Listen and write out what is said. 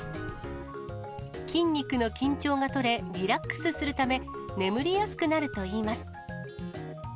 筋肉の緊張が取れ、リラックスするため、眠りやすくなるといいます。